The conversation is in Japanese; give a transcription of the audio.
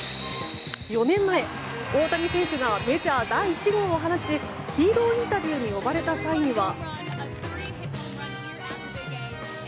４年前、大谷選手がメジャー第１号を放ちヒーローインタビューに呼ばれた際には。